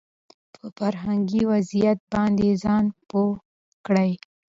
په فرهنګي وضعيت باندې ځان پوه کړي